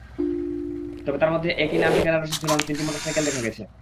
তবে তার মধ্যে একই নাম-ঠিকানার রসিদ ঝোলানো তিনটি মোটরসাইকেল দেখা গেছে।